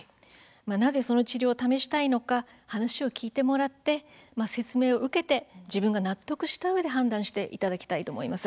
なぜその治療を試したいのか話を聞いてもらって説明を受けて自分が納得したうえで判断していただきたいと思います。